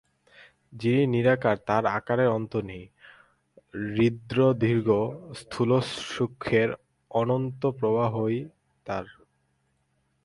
যিনি নিরাকার তাঁর আকারের অন্ত নেই– হ্রস্বদীর্ঘ-স্থূলসূক্ষ্ণের অনন্ত প্রবাহই তাঁর।